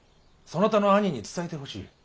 そなたの兄に伝えてほしい。